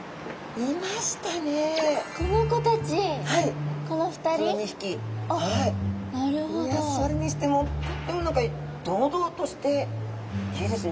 いやそれにしてもとっても堂々としていいですね。